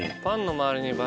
パンの周りに。